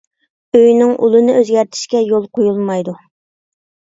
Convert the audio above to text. ئۆينىڭ ئۇلىنى ئۆزگەرتىشكە يول قويۇلمايدۇ.